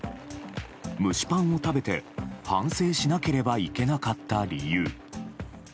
蒸しパンを食べて反省しなければいけなかった理由。